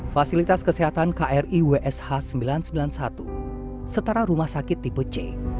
fasilitas kesehatan kri wsh sembilan ratus sembilan puluh satu setara rumah sakit tipe c